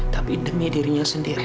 tapi demi dirinya sendiri